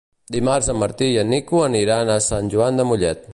Dimarts en Martí i en Nico aniran a Sant Joan de Mollet.